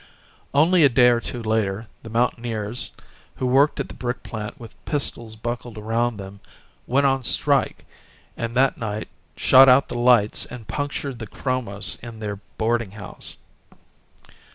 Only a day or two later the mountaineers, who worked at the brick plant with pistols buckled around them, went on a strike and, that night, shot out the lights and punctured the chromos in their boarding house.